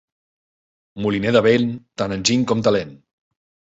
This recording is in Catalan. Moliner de vent, tant enginy com talent.